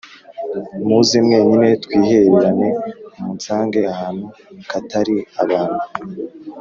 Muze mwenyine twihererane munsange ahantu katari abantu